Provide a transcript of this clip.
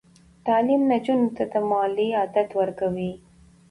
تعلیم نجونو ته د مطالعې عادت ورکوي.